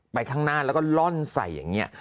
ไปข้างหน้าเราก็ร่อนใส่อย่างนี้